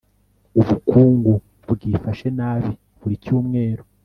ubukungu bwifashe nabi buri cyumweru